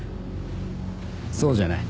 そうじゃない。